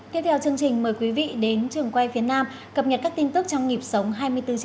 tiếp theo chương trình mời quý vị đến trường quay phía nam cập nhật các tin tức trong nhịp sống hai mươi bốn h